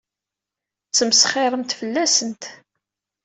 Tettmesxiṛemt fell-asent.